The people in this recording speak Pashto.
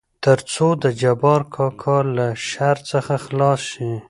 تر څو دجبار کاکا له شر څخه خلاص شي.